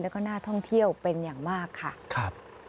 แล้วก็น่าท่องเที่ยวเป็นอย่างมากค่ะครับ